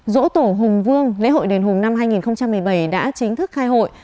dỗ tổ hùng vương lễ hội đền hùng năm hai nghìn một mươi bảy đã chính thức khai hội